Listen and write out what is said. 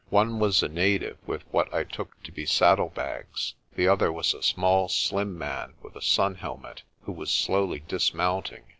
One was a native with what I took to be saddlebags 5 the other was a small slim man with a sunhelmet, who was slowly dismounting.